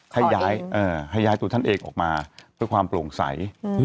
ให้ย้ายตัวท่านเองออกมาเพื่อความโปร่งใส